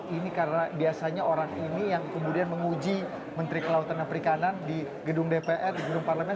ini karena biasanya orang ini yang kemudian menguji menteri kelautan dan perikanan di gedung dpr di gedung parlemen